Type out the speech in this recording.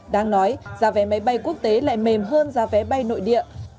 đáng nói giá vé máy bay quốc tế lại mềm hơn giá vé bay nội địa